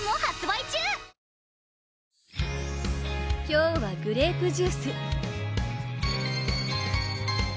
今日はグレープジュース！